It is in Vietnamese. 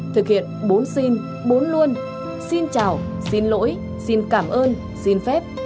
thực hiện bốn xin bốn luôn xin chào xin lỗi xin cảm ơn xin phép